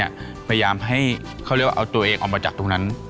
พยายามให้เขาเรียกว่าเอาตัวเองออกมาจากตรงนั้น